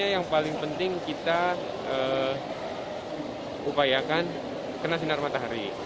yang paling penting kita upayakan kena sinar matahari